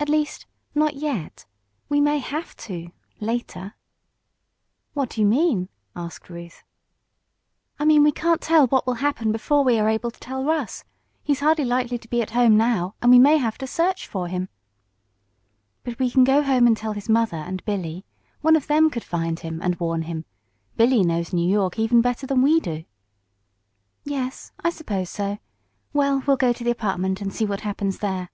At least not yet. We may have to later." "What do you mean?" asked Ruth. "I mean we can't tell what will happen before we are able to tell Russ. He's hardly likely to be at home now, and we may have to search for him." "But we can go home and tell his mother and Billy. One of them could find him, and warn him. Billy knows New York even better than we do." "Yes, I suppose so. Well, we'll go to the apartment and see what happens there."